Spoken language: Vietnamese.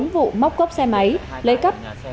bốn vụ móc cốc xe máy lấy cắp